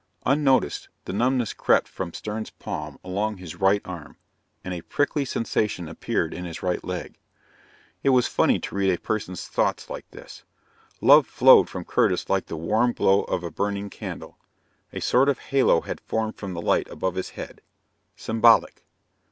Unnoticed, the numbness crept from Stern's palm along his right arm, and a prickly sensation appeared in his right leg. It was funny to read a person's thoughts like this. Love flowed from Curtis like the warm glow from a burning candle. A sort of halo had formed from the light above his head. Symbolic.